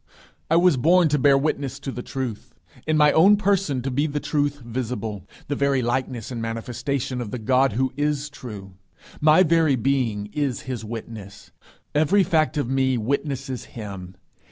I was born to bear witness to the truth in my own person to be the truth visible the very likeness and manifestation of the God who is true. My very being is his witness. Every fact of me witnesses him.